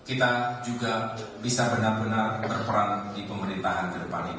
dan kita juga bisa benar benar berperan di pemerintahan di depan ini